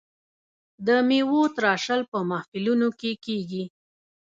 د میوو تراشل په محفلونو کې کیږي.